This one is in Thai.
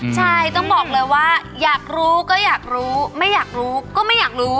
ใช่ต้องบอกเลยว่าอยากรู้ก็อยากรู้ไม่อยากรู้ก็ไม่อยากรู้